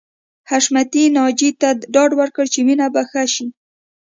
حشمتي ناجیې ته ډاډ ورکړ چې مينه به ښه شي